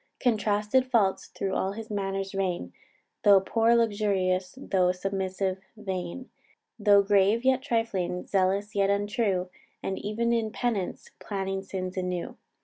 Contrasted faults thro' all his manners rein; Though poor, luxurious; though submissive, vain; Though grave, yet trifling; zealous, yet untrue; And e'en in penance planning sins anew.